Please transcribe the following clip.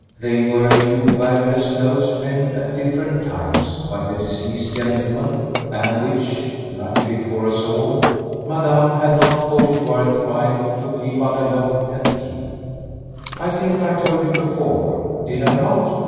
They were a few valueless notes penned at different times by the deceased gentleman and which, luckily for us all, Madame had not thought it worth while to keep under lock and key. I think I told you before, did I not?